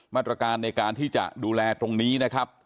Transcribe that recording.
มาตรการในการที่จะดูแลตรงนี้นะครับ